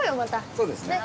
そうですね。